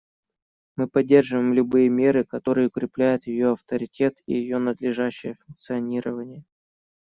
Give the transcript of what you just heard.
Мы поддерживаем любые меры, которые укрепляют ее авторитет и ее надлежащее функционирование.